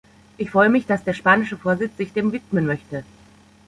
Ich freue mich, dass der spanische Vorsitz sich dem widmen möchte!